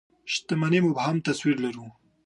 شتمنۍ مبهم تصوير لرو.